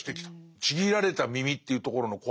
ちぎられた耳というところの怖さ。